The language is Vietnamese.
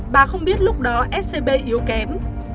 bà không biết lúc đó scb yếu kém